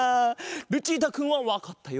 ルチータくんはわかったようだぞ。